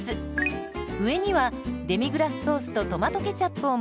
上にはデミグラスソースとトマトケチャップを混ぜ合わせたものを。